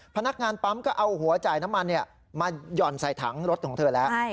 พนักงานปั๊มก็เอาหัวจ่ายน้ำมันมาหย่อนใส่ถังรถของเธอแล้ว